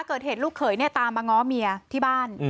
เกิดเหตุลูกเขยเนี่ยตามมาง้อเมียที่บ้าน